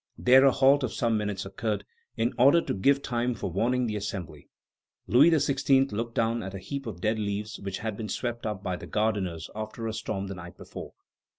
There a halt of some minutes occurred, in order to give time for warning the Assembly. Louis XVI. looked down at a heap of dead leaves which had been swept up by the gardeners after a storm the night before.